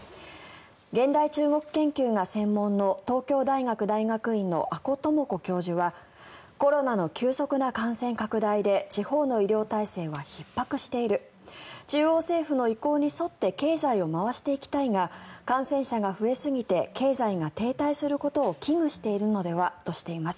現代中国研究が専門の東京大学大学院の阿古智子教授はコロナの急速な感染拡大で地方の医療体制はひっ迫している中央政府の意向に沿って経済を回していきたいが感染者が増えすぎて経済が停滞することを危惧しているのではとしています。